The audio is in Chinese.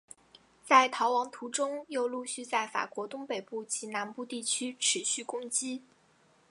在逃亡途中又陆续在法国东北部及南部地区持续攻击。